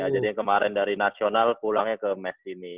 jadi yang kemarin dari nasional pulangnya ke mes ini